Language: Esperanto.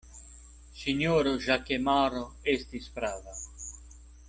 Sinjoro Ĵakemaro estis prava.